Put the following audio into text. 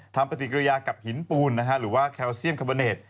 ปฏิกิริยากับหินปูนหรือว่าแคลเซียมคาเบอร์เนต